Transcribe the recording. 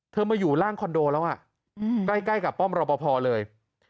มาอยู่ล่างคอนโดแล้วใกล้กับป้อมรอปภเลย